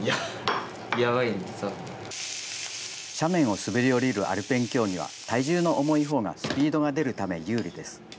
斜面を滑り降りるアルペン競技は、体重の重いほうがスピードが出るため、有利です。